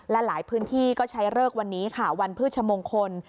และหลายพื้นที่ก็ใช้เลิกวันนี้ค่ะวันพฤชมงคล